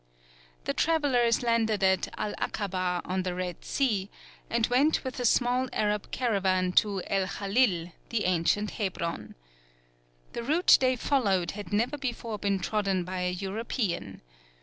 The travellers landed at El Akabah on the Red Sea, and went with a small Arab caravan to El Khalil, the ancient Hebron. The route they followed had never before been trodden by a European.